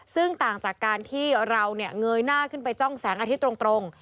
ซึ่งต่างจากการที่เราเงยหน้าขึ้นไปจ้องแสงอาทิตย์ตรง